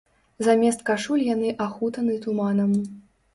Замест кашуль яны ахутаны туманам.